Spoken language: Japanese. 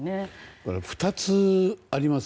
これ、２つあります。